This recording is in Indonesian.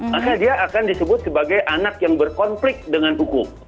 maka dia akan disebut sebagai anak yang berkonflik dengan hukum